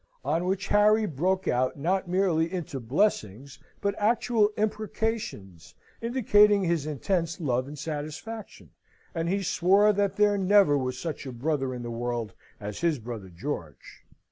On which Harry broke out not merely into blessings but actual imprecations, indicating his intense love and satisfaction; and he swore that there never was such a brother in the world as his brother George.